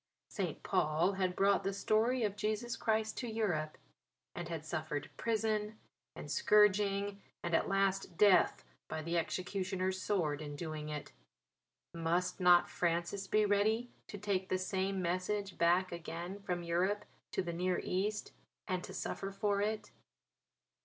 St. Paul had brought the story of Jesus Christ to Europe; and had suffered prison and scourging and at last death by the executioner's sword in doing it; must not Francis be ready to take the same message back again from Europe to the Near East and to suffer for it?